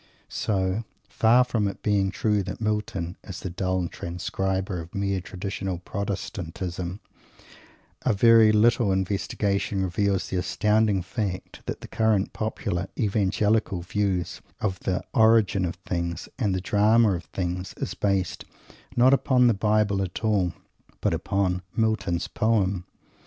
So, far from it being true that Milton is the dull transcriber of mere traditional Protestantism, a very little investigation reveals the astounding fact that the current popular Evangelical view of the origin of things and the drama of things is based, not upon the Bible at all, but upon Milton's poem.